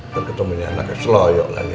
berketemunya anaknya seloyok lagi